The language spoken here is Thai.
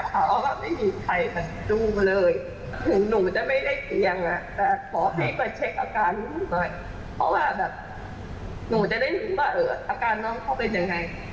เพราะว่าไม่มีใครดูมาเลย